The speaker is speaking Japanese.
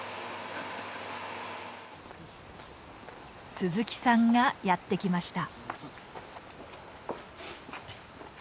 鈴木さんがやって来ました。